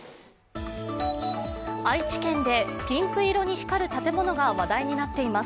愛知県でピンク色に光る建物が話題になっています。